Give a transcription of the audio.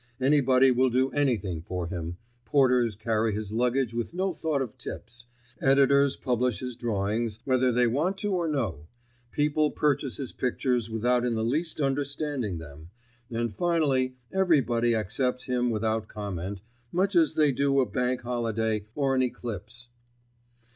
Anybody will do anything for him, porters carry his luggage with no thought of tips, editors publish his drawings, whether they want to or no, people purchase his pictures without in the least understanding them, and, finally, everybody accepts him without comment, much as they do a Bank Holiday or an eclipse.